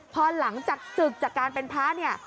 พอหลังจากศึกจักรการเป็นพระ